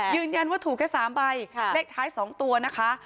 ยืนยันว่าถูกแค่๓ใบเลขท้าย๒ตัวนะคะ